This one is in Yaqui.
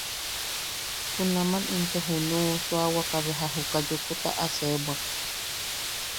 Junaman into junuʼu, suawaka beja juka Yukuta aseebwak.